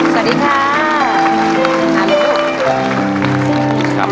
สวัสดีค่ะ